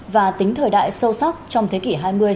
và tính thời đại sâu sắc trong thế kỷ hai mươi